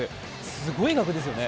すごい額ですよね。